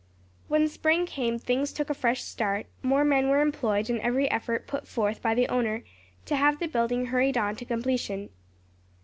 When spring came things took a fresh start; more men were employed and every effort put forth by the owner, to have the building hurried on to completion.